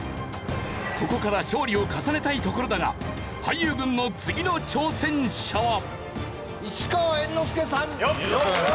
ここから勝利を重ねたいところだが俳優軍の次の挑戦者は。ああ！